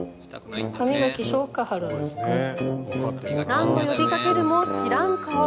何度呼びかけるも知らん顔。